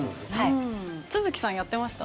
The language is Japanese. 都築さんやってました？